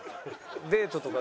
デートとか？